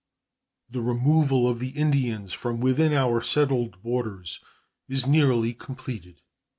The removal of the Indians from within our settled borders is nearly completed.